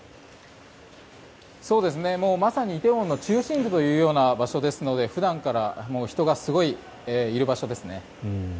まさに梨泰院の中心部という場所ですので普段から人がすごくいる場所ですね。